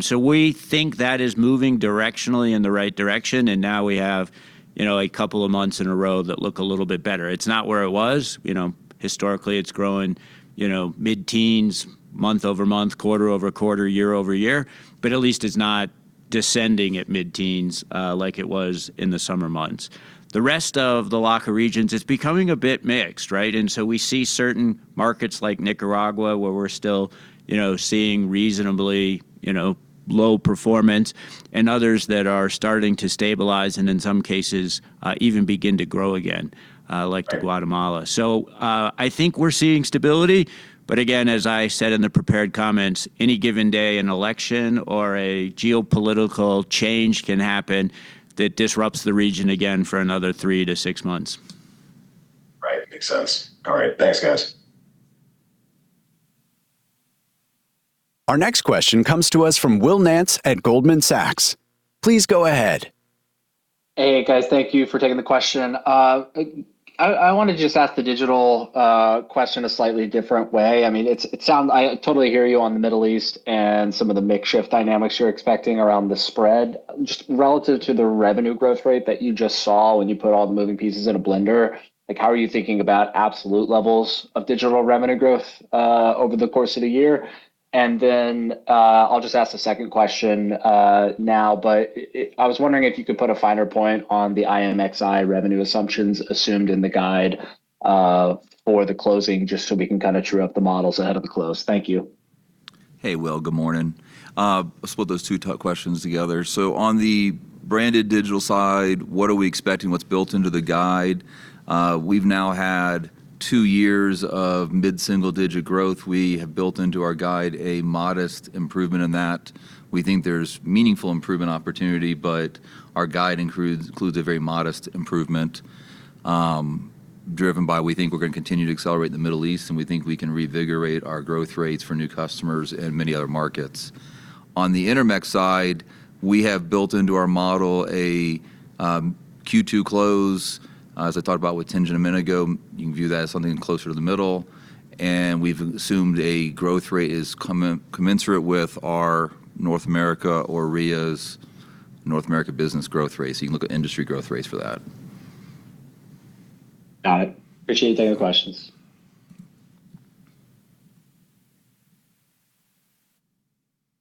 So we think that is moving directionally in the right direction, and now we have, you know, a couple of months in a row that look a little bit better. It's not where it was. You know, historically, it's grown, you know, mid-teens, month-over-month, quarter-over-quarter, year-over-year, but at least it's not descending at mid-teens like it was in the summer months. The rest of the LACA regions, it's becoming a bit mixed, right? And so we see certain markets like Nicaragua, where we're still, you know, seeing reasonably, you know, low performance, and others that are starting to stabilize, and in some cases, even begin to grow again like to Guatemala. So, I think we're seeing stability, but again, as I said in the prepared comments, any given day, an election or a geopolitical change can happen that disrupts the region again for another 3-6 months. Right. Makes sense. All right. Thanks, guys. Our next question comes to us from Will Nance at Goldman Sachs. Please go ahead. Hey, guys. Thank you for taking the question. I wanna just ask the digital question a slightly different way. I mean, it sounds... I totally hear you on the Middle East and some of the makeshift dynamics you're expecting around the spread. Just relative to the revenue growth rate that you just saw when you put all the moving pieces in a blender, like, how are you thinking about absolute levels of digital revenue growth over the course of the year? And then, I'll just ask the second question now, but it- I was wondering if you could put a finer point on the IMXI revenue assumptions assumed in the guide for the closing, just so we can kinda true up the models ahead of the close. Thank you. Hey, Will. Good morning. Let's put those two tough questions together. So on the Branded Digital side, what are we expecting? What's built into the guide? We've now had two years of mid-single-digit growth. We have built into our guide a modest improvement in that. We think there's meaningful improvement opportunity, but our guide includes a very modest improvement, driven by we think we're gonna continue to accelerate in the Middle East, and we think we can reinvigorate our growth rates for new customers in many other markets. On the Intermex side, we have built into our model a Q2 close. As I talked about with Tien-tsin a minute ago, you can view that as something closer to the middle, and we've assumed a growth rate is commensurate with our North America or RIAs' North America business growth rate, so you can look at industry growth rates for that. Got it. Appreciate taking the questions.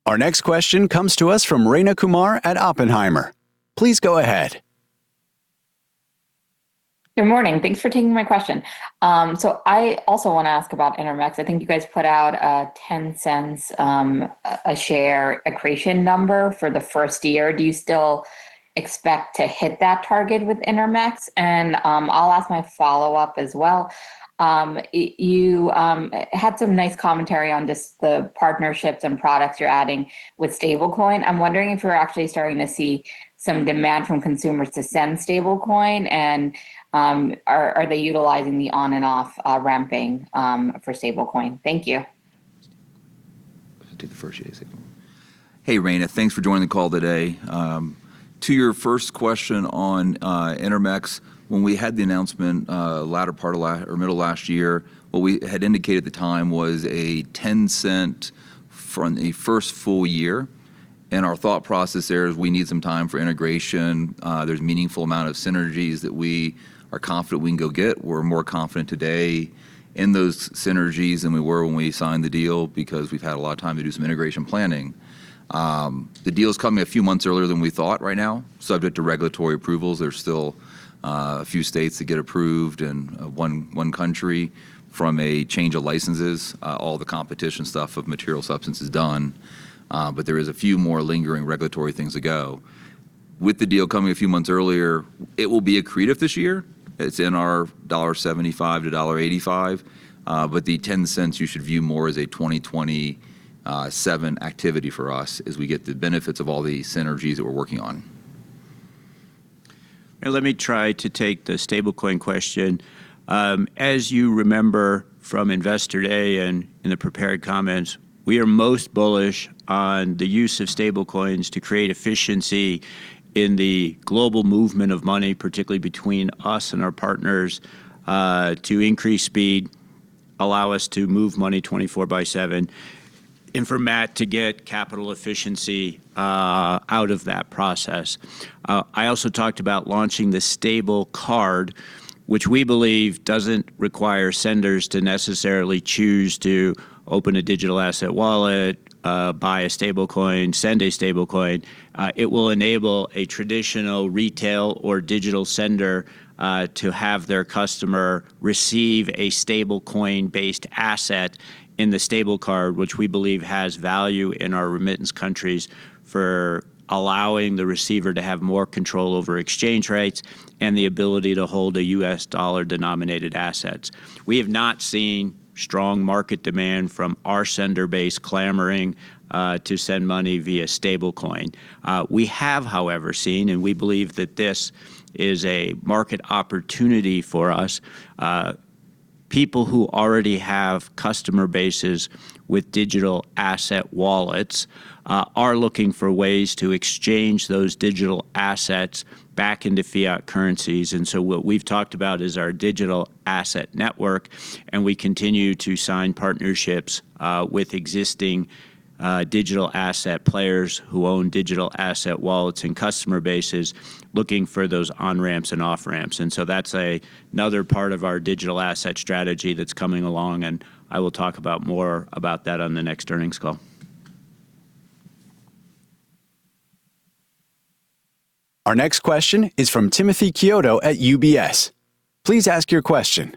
Our next question comes to us from Rayna Kumar at Oppenheimer. Please go ahead. Good morning. Thanks for taking my question. So I also wanna ask about Intermex. I think you guys put out a $0.10 a share accretion number for the first year. Do you still expect to hit that target with Intermex? And I'll ask my follow-up as well. You had some nice commentary on just the partnerships and products you're adding with stablecoin. I'm wondering if you're actually starting to see some demand from consumers to send stablecoin, and are they utilizing the on-and-off ramping for stablecoin? Thank you. Do the first Hey, Rayna. Thanks for joining the call today. To your first question on Intermex, when we had the announcement, latter part of or middle of last year, what we had indicated at the time was a $0.10 from the first full year, and our thought process there is we need some time for integration. There's a meaningful amount of synergies that we are confident we can go get. We're more confident today in those synergies than we were when we signed the deal because we've had a lot of time to do some integration planning. The deal's coming a few months earlier than we thought right now, subject to regulatory approvals. There are still a few states to get approved and one country from a change of licenses. All the competition stuff of material substance is done, but there is a few more lingering regulatory things to go. With the deal coming a few months earlier, it will be accretive this year. It's in our $75-$85, but the ten cents you should view more as a 2027 activity for us as we get the benefits of all the synergies that we're working on. Let me try to take the stablecoin question. As you remember from Investor Day and in the prepared comments, we are most bullish on the use of stablecoins to create efficiency in the global movement of money, particularly between us and our partners, to increase speed, allow us to move money 24/7, and for Matt to get capital efficiency out of that process. I also talked about launching the stable card, which we believe doesn't require senders to necessarily choose to open a digital asset wallet, buy a stablecoin, send a stablecoin. It will enable a traditional retail or digital sender to have their customer receive a stablecoin-based asset in the stable card, which we believe has value in our remittance countries for allowing the receiver to have more control over exchange rates and the ability to hold a U.S. dollar-denominated assets. We have not seen strong market demand from our sender base clamoring to send money via stablecoin. We have, however, seen, and we believe that this is a market opportunity for us, people who already have customer bases with digital asset wallets are looking for ways to exchange those digital assets back into fiat currencies. And so what we've talked about is our digital asset network, and we continue to sign partnerships with existing digital asset players who own digital asset wallets and customer bases looking for those on-ramps and off-ramps. So that's another part of our digital asset strategy that's coming along, and I will talk more about that on the next earnings call. Our next question is from Timothy Chiodo at UBS. Please ask your question.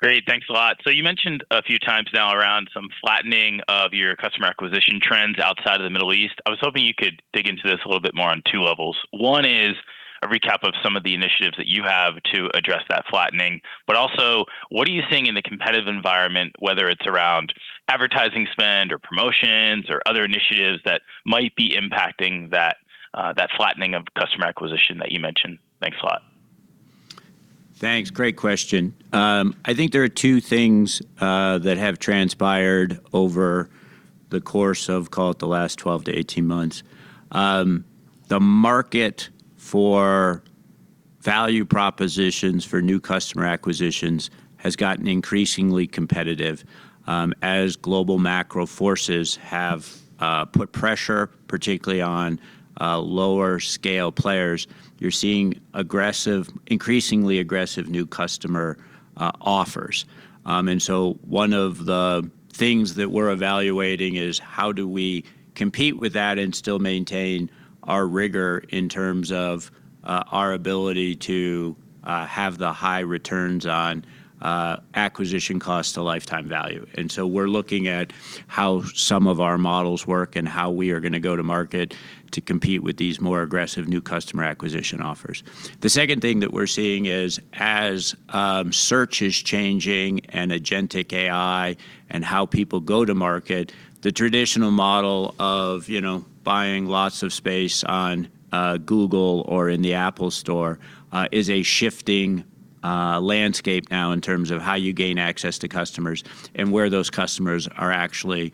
Great. Thanks a lot. So you mentioned a few times now around some flattening of your customer acquisition trends outside of the Middle East. I was hoping you could dig into this a little bit more on two levels. One is a recap of some of the initiatives that you have to address that flattening, but also, what are you seeing in the competitive environment, whether it's around advertising spend, or promotions, or other initiatives that might be impacting that, that flattening of customer acquisition that you mentioned? Thanks a lot. Thanks. Great question. I think there are two things that have transpired over the course of, call it, the last 12-18 months. The market for value propositions for new customer acquisitions has gotten increasingly competitive, as global macro forces have put pressure, particularly on lower-scale players. You're seeing increasingly aggressive new customer offers. And so one of the things that we're evaluating is: how do we compete with that and still maintain our rigor in terms of our ability to have the high returns on acquisition costs to lifetime value? And so we're looking at how some of our models work and how we are going to go to market to compete with these more aggressive new customer acquisition offers. The second thing that we're seeing is, as search is changing and agentic AI and how people go to market, the traditional model of, you know, buying lots of space on Google or in the Apple Store, is a shifting landscape now in terms of how you gain access to customers and where those customers are actually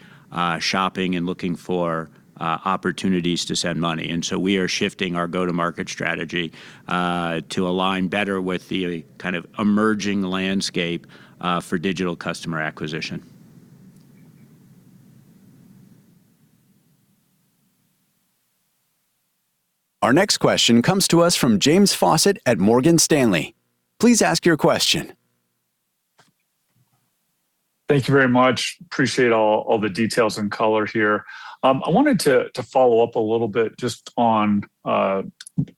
shopping and looking for opportunities to send money. And so we are shifting our go-to-market strategy to align better with the kind of emerging landscape for digital customer acquisition. Our next question comes to us from James Faucette at Morgan Stanley. Please ask your question. Thank you very much. Appreciate all, all the details and color here. I wanted to, to follow up a little bit just on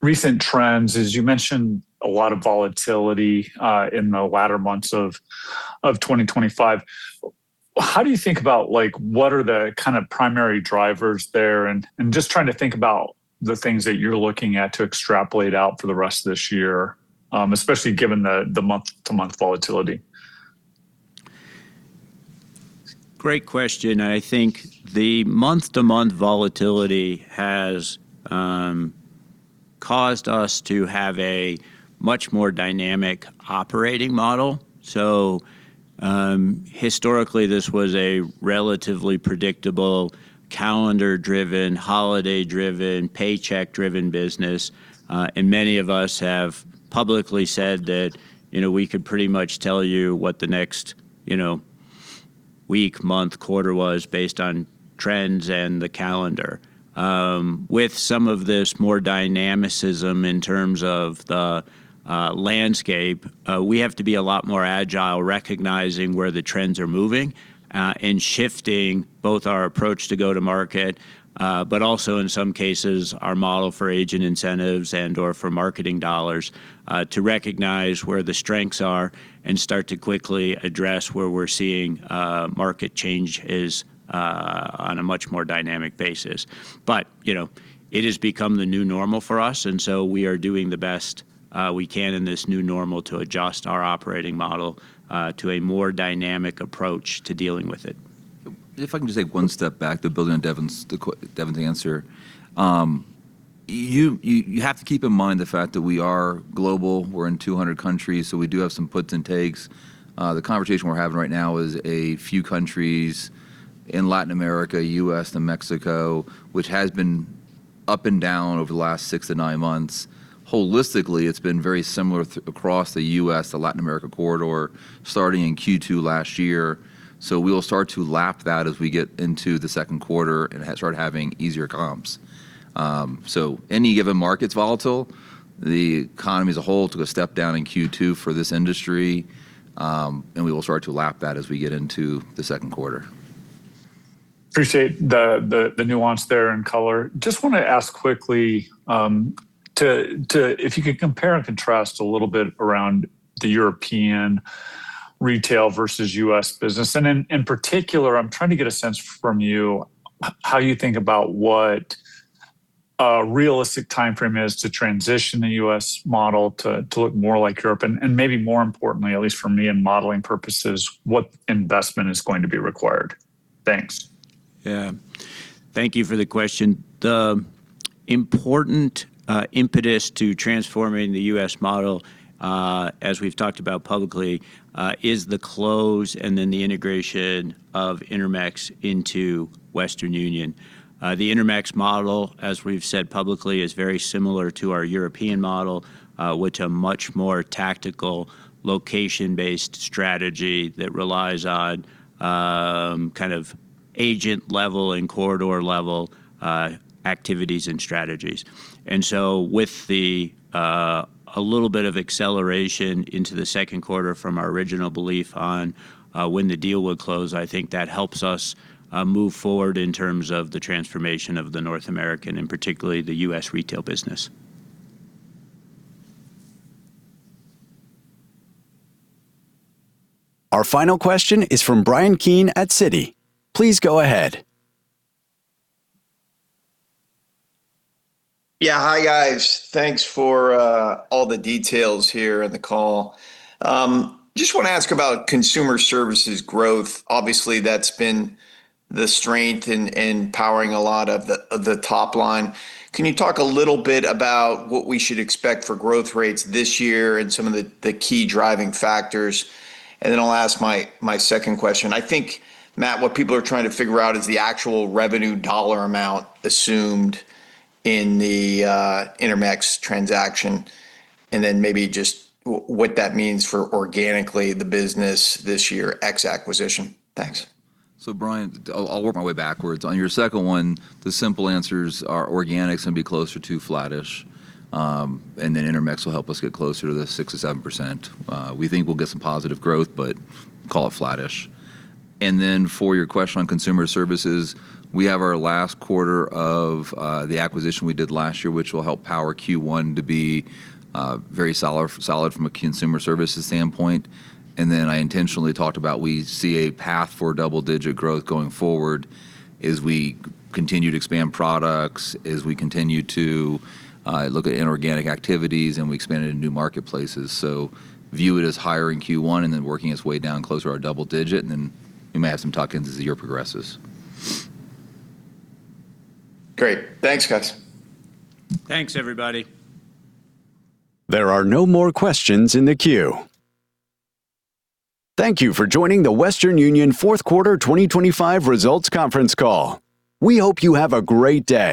recent trends. As you mentioned, a lot of volatility in the latter months of 2025. How do you think about, like, what are the kind of primary drivers there? And, and just trying to think about the things that you're looking at to extrapolate out for the rest of this year, especially given the month-to-month volatility. Great question, and I think the month-to-month volatility has caused us to have a much more dynamic operating model. So, historically, this was a relatively predictable, calendar-driven, holiday-driven, paycheck-driven business. And many of us have publicly said that, you know, we could pretty much tell you what the next, you know, week, month, quarter was based on trends and the calendar. With some of this more dynamicism in terms of the landscape, we have to be a lot more agile, recognizing where the trends are moving, and shifting both our approach to go to market, but also, in some cases, our model for agent incentives and/or for marketing dollars, to recognize where the strengths are and start to quickly address where we're seeing market change is on a much more dynamic basis. But, you know, it has become the new normal for us, and so we are doing the best we can in this new normal to adjust our operating model to a more dynamic approach to dealing with it. If I can just take one step back to building on Devin's answer. You have to keep in mind the fact that we are global. We're in 200 countries, so we do have some puts and takes. The conversation we're having right now is a few countries in Latin America, U.S., and Mexico, which has been up and down over the last 6-9 months. Holistically, it's been very similar across the U.S., the Latin America corridor, starting in Q2 last year. So we'll start to lap that as we get into the second quarter and start having easier comps. So any given market's volatile, the economy as a whole took a step down in Q2 for this industry, and we will start to lap that as we get into the second quarter. Appreciate the nuance there and color. Just want to ask quickly to if you could compare and contrast a little bit around the European retail versus U.S. business. And in particular, I'm trying to get a sense from you how you think about what a realistic timeframe is to transition the U.S. model to look more like Europe. And maybe more importantly, at least for me in modeling purposes, what investment is going to be required? Thanks. Yeah. Thank you for the question. The important impetus to transforming the U.S. model, as we've talked about publicly, is the close and then the integration of Intermex into Western Union. The Intermex model, as we've said publicly, is very similar to our European model, which a much more tactical, location-based strategy that relies on kind of agent-level and corridor-level activities and strategies. And so with a little bit of acceleration into the second quarter from our original belief on when the deal would close, I think that helps us move forward in terms of the transformation of the North American, and particularly the U.S. retail business. Our final question is from Bryan Keane at Citi. Please go ahead. Yeah. Hi, guys. Thanks for all the details here on the call. Just want to ask about Consumer Services growth. Obviously, that's been the strength in powering a lot of the top line. Can you talk a little bit about what we should expect for growth rates this year and some of the key driving factors? And then I'll ask my second question. I think, Matt, what people are trying to figure out is the actual revenue dollar amount assumed in the Intermex transaction, and then maybe just what that means for organically the business this year, ex acquisition. Thanks. So, Bryan, I'll, I'll work my way backwards. On your second one, the simple answers are organic's going to be closer to flattish, and then Intermex will help us get closer to the 6%-7%. We think we'll get some positive growth, but call it flattish. And then for your question on Consumer Services, we have our last quarter of, the acquisition we did last year, which will help power Q1 to be, very solid, solid from a Consumer Services standpoint. And then I intentionally talked about we see a path for double-digit growth going forward as we continue to expand products, as we continue to, look at inorganic activities, and we expand it into new marketplaces. View it as higher in Q1 and then working its way down closer to our double-digit, and then we may have some tweaks as the year progresses. Great. Thanks, guys. Thanks, everybody. There are no more questions in the queue. Thank you for joining the Western Union fourth quarter 2025 results conference call. We hope you have a great day!